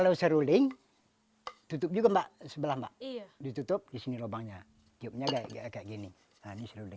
kalau seruling tutup juga mbak sebelah maksih ditutup disini lubangnya tiupnya kayak gini